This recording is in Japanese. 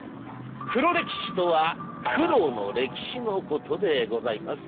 黒歴史とは苦労の歴史のことでございます。